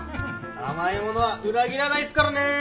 甘いものは裏切らないすからね。